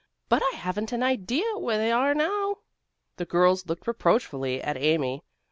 But I haven't an idea where they are now." The girls looked reproachfully at Amy.